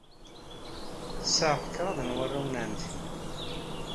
Sɛiɣ kraḍ n warraw n ɛemmti.